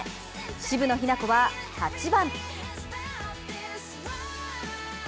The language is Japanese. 渋野日向子は８番。